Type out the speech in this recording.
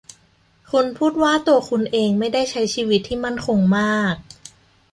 คุณพูดว่าตัวคุณเองไม่ได้ใช้ชีวิตที่มั่นคงมาก